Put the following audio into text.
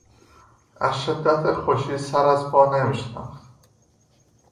از شدت خوشی سر از پا نمیشناخت.